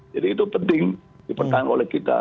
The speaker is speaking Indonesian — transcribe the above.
jadi itu penting dipertahankan oleh kita